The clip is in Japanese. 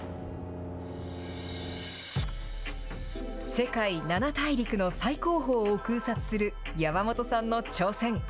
世界七大陸の最高峰を空撮する山本さんの挑戦。